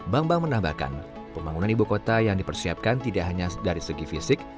bambang menambahkan pembangunan ibu kota yang dipersiapkan tidak hanya dari segi fisik